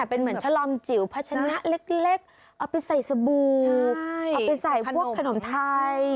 เป็นเหมือนชะลอมจิ๋วพัชนะเล็กเอาไปใส่สบู่เอาไปใส่พวกขนมไทย